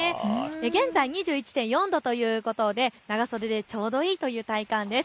現在２１．４度ということで長袖でちょうどいいという体感です。